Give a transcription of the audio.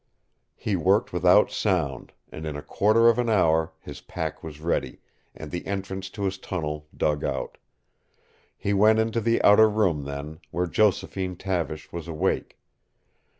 He worked without sound, and in a quarter of an hour his pack was ready, and the entrance to his tunnel dug out. He went into the outer room then, where Josephine Tavish was awake.